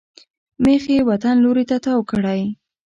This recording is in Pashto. مخ یې وطن لوري ته تاو کړی.